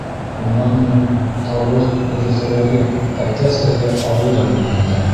Унан һуң, Тауыҡ, дөрөҫөрәге, Әтәс эҙләп ауылға йүнәлде.